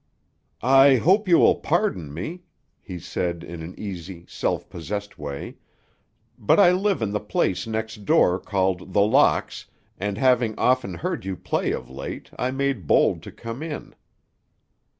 "I hope you will pardon me," he said in an easy, self possessed way, "but I live in the place next door called The Locks, and having often heard you play of late, I made bold to come in."